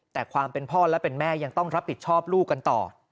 แต่ความเป็นพ่อและเป็นแม่ยังต้องรับผิดชอบลูกกันต่อ